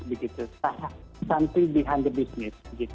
berhenti di belakang kebijakan